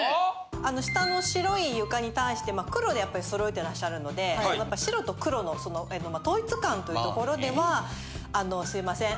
あの下の白い床に対して黒でやっぱり揃えてらっしゃるので白と黒のその統一感というところではあのすいません